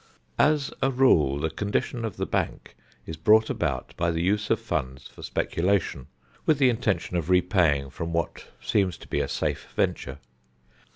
As a rule the condition of the bank is brought about by the use of funds for speculation, with the intention of repaying from what seems to be a safe venture.